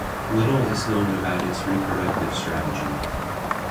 Little is known about its reproductive strategy.